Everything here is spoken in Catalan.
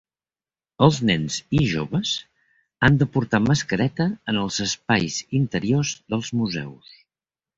Els nens i joves han de portar mascareta en els espais interiors dels museus.